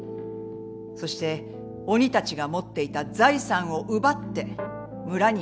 そして鬼たちが持っていた財産を奪って村に戻りました。